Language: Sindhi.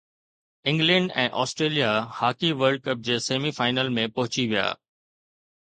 England ۽ Australia hockey world cup جي سيمي فائنل ۾ پهچي ويا